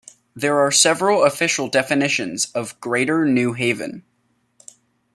There are several official definitions of Greater New Haven.